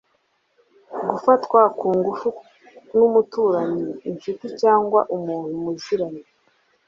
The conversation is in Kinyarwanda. Gufatwa ku ngufu n’umuturanyi incuti cyangwa umuntu muziranye